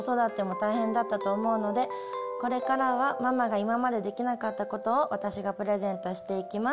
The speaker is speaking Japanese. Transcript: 大変だったと思うのでこれからはママが今までできなかったことを私がプレゼントして行きます